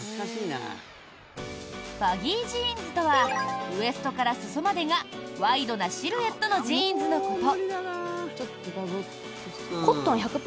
バギージーンズとはウエストから裾までがワイドなシルエットのジーンズのこと。